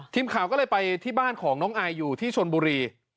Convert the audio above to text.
ทีมข่าวก็เลยไปที่บ้านของน้องอายอยู่ที่ชนบุรี